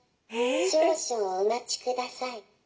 少々お待ちください」。